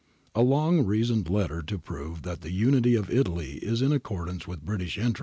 ] A long reasoned letter to prove that the Unity of Italy is in accordance with British interests.